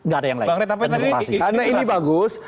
gak ada yang lain karena ini bagus